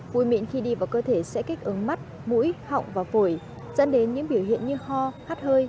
vui mịn khi đi vào cơ thể sẽ kích ứng mắt mũi họng và phổi dẫn đến những biểu hiện như ho hát hơi